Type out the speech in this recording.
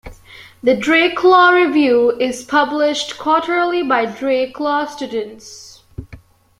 The "Drake Law Review" is published quarterly by Drake Law students.